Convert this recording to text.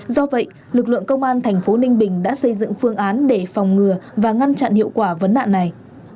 do vậy lực lượng công an tp ninh bình đã xây dựng phương án để phòng ngừa và ngăn chặn hiệu quả vấn đạn này